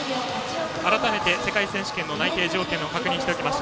改めて世界選手権の内定条件を確認します。